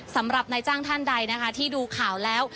สำหรับนายจ้างท่านใดนะคะที่ดูข่าวแล้ว